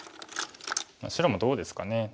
白もどうですかね。